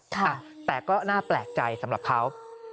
แต่ก็น่าแปลกใจสำหรับเขา